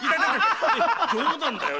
冗談だよ。